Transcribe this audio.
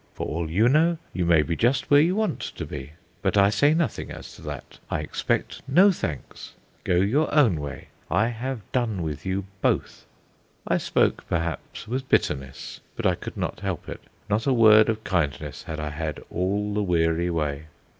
For all you know, you may be just where you want to be. But I say nothing as to that; I expect no thanks. Go your own way; I have done with you both." I spoke, perhaps, with bitterness, but I could not help it. Not a word of kindness had I had all the weary way.